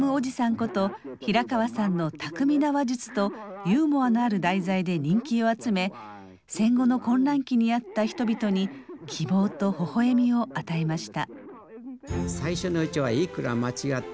こと平川さんの巧みな話術とユーモアのある題材で人気を集め戦後の混乱期にあった人々に希望とほほ笑みを与えました。